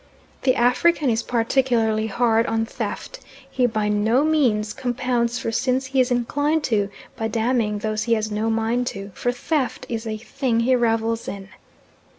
The African is particularly hard on theft; he by no means "compounds for sins he is inclined to by damning those he has no mind to," for theft is a thing he revels in.